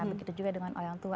begitu juga dengan orang tua